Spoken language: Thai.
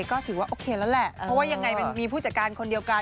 ก็ถือว่าโอเคแล้วแหละเพราะว่ายังไงมันมีผู้จัดการคนเดียวกัน